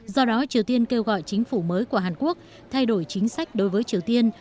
do đó triều tiên kêu gọi chính phủ mới của hàn quốc thay đổi chính sách đối với triều tiên